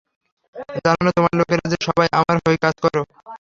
জানো না, তোমার লোকেরা যে সবাই আমার হয়ে কাজ করো?